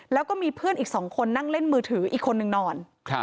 แล้วก็มีเพื่อนอีก๒คนนั่งเล่นมือถืออีกคนนึงนอน